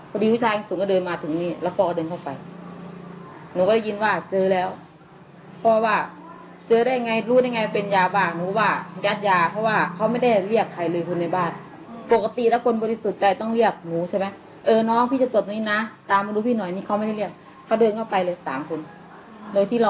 พอดีพ่อตรวจหลังบ้านพอดีพ่อตรวจหลังบ้านพอดีพ่อตรวจหลังบ้านพอดีพ่อตรวจหลังบ้านพอดีพ่อตรวจหลังบ้านพอดีพ่อตรวจหลังบ้านพอดีพ่อตรวจหลังบ้านพอดีพ่อตรวจหลังบ้านพอดีพ่อตรวจหลังบ้านพอดีพ่อตรวจหลังบ้านพอดีพ่อตรวจหลังบ้านพอดีพ่อตรวจหล